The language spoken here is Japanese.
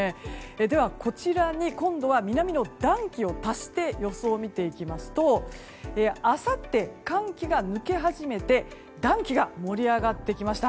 では、こちらに今度は南の暖気を足して予想を見ていきますとあさって、寒気が抜け始めて暖気が盛り上がってきました。